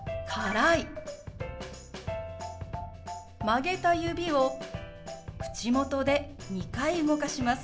曲げた指を口元で２回動かします。